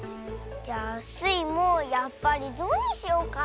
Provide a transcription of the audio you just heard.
じゃあスイもやっぱりゾウにしようかなあ。